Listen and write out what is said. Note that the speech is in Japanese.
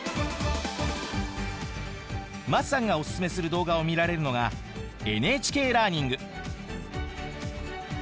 桝さんがオススメする動画を見られるのがＮＨＫラーニング。